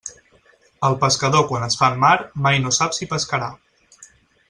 El pescador quan es fa en mar mai no sap si pescarà.